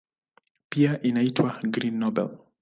Pia inaitwa "Green Nobel".